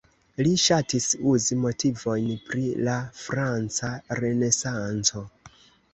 Li ŝatis uzi motivojn pri la franca renesanco.